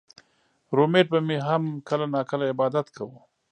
رومېټ به مې هم کله نا کله عبادت کوو